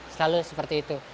selalu seperti itu